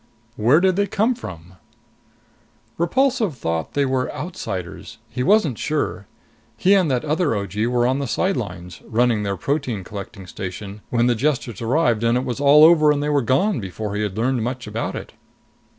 "Where did they come from?" "Repulsive thought they were outsiders. He wasn't sure. He and that other O.G. were on the sidelines, running their protein collecting station, when the Jesters arrived; and it was all over and they were gone before he had learned much about it."